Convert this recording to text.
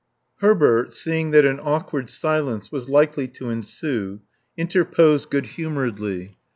Herbert, seeing that an awkward silence was likely to ensue, interposed goodhumoredly.